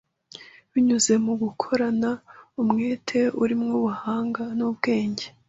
binyuze mu gukorana umwete urimo ubuhanga n’ubwenge